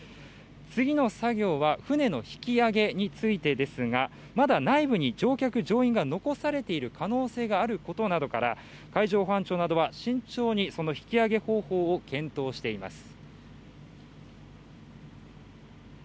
次の作業は船の引き揚げについてですが、まだ内部に乗客・乗員が残されている可能性があることから海上保安庁などは慎重にその引き上げ方法を検討しています。